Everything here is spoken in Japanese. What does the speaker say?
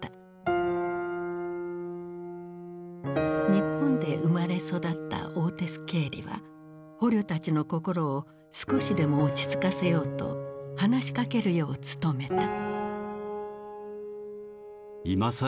日本で生まれ育ったオーテス・ケーリは捕虜たちの心を少しでも落ち着かせようと話しかけるよう努めた。